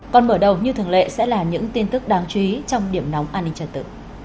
còn mở đầu như thường lệ sẽ là những tin tức đáng chú ý trong điểm nóng an ninh trật tự